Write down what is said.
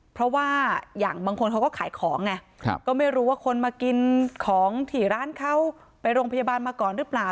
เพราะว่าอย่างบางคนเขาก็ขายของไงก็ไม่รู้ว่าคนมากินของที่ร้านเขาไปโรงพยาบาลมาก่อนหรือเปล่า